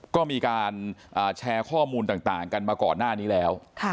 ก็มีการแชร์ข้อมูลต่างกันมาก่อนหน้านี้แล้ว